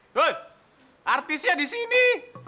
woy artisnya di sini